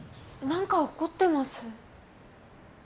何か怒ってます？